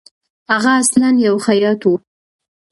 هغه اصلاً یو خیاط وو.